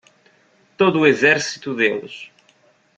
Todo o exército deles!